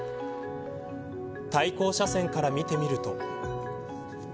対向車線から見てみると。